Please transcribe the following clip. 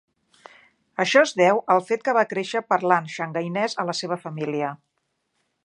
Això es deu al fet que va créixer parlant xangainès a la seva família.